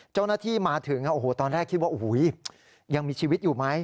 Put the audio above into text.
เจ้าหน้าที่มาถึงโอ้โหตอนแรกคิดว่าโอ้โหยังมีชีวิตอยู่ไหม